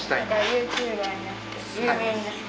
ユーチューバーになって有名になって。